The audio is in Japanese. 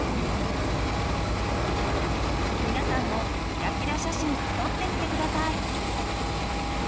皆さんもキラキラ写真撮ってみて下さい！